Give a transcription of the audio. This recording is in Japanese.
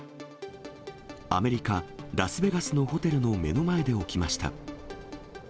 アメリカ・ラスベガスのホテルの目の前で起きました。